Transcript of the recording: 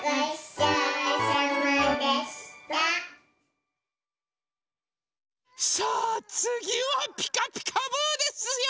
さあつぎは「ピカピカブ！」ですよ！